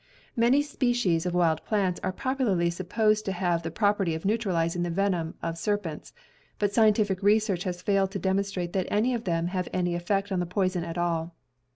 Many species of wild plants are popularly supposed to have the property of neutralizing the venom of ser pents, but scientific research has failed to demonstrate that any of them have any effect on the poison at all.